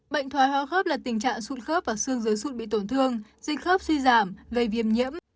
bệnh thoái hóa khớp là tình trạng sụn khớp và xương dưới sụn bị tổn thương dịch khớp suy giảm gây viêm nhiễm